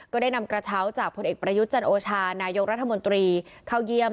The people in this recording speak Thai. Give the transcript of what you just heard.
ก็ได้นำกระเช้าจากผลเอกประยุทธ์จันโอชานายกรัฐมนตรีเข้าเยี่ยม